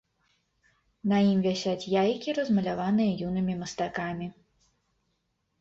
На ім вісяць яйкі, размаляваныя юнымі мастакамі.